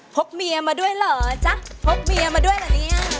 กเมียมาด้วยเหรอจ๊ะพกเมียมาด้วยเหรอเนี่ย